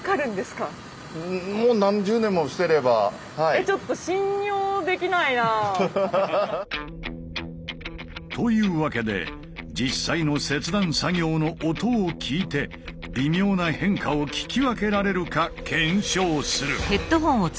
えぇ。というわけで実際の切断作業の音を聴いて微妙な変化を聞き分けられるか検証する！